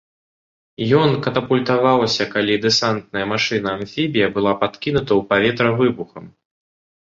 Ён катапультаваўся, калі дэсантная машына-амфібія была падкінутая ў паветра выбухам.